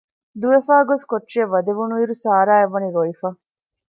ދުވެފައި ގޮސް ކޮޓަރިއަށް ވަދެވުނުއިރު ސަރާއަށްވަނީ ރޮވިފަ